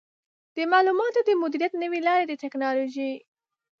د معلوماتو د مدیریت نوې لارې د ټکنالوژۍ